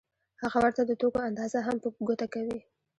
هغه ورته د توکو اندازه هم په ګوته کوي